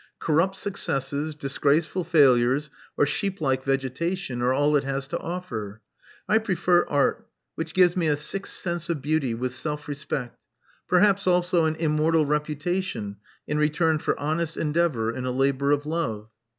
Corrupt successes, disgraceful failures, or sheeplike vegetation are all it has to offer. I prefer Art, which gives me a sixth sense of beauty, with self respect: perhaps also an immortal reputation in return for honest endeavor in a labor of love."